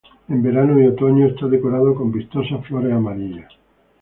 En verano y otoño, está decorado con vistosas flores amarillas.